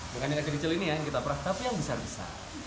dengan yang kecil kecil ini yang kita perah tapi yang besar besar